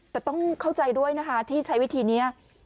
แต่ต้องเข้าใจด้วยนะคะที่ใช้วิธีนี้